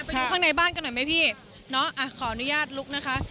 ดูข้างในบ้านกันหน่อยไหมพี่เนาะขออนุญาตลุกนะคะ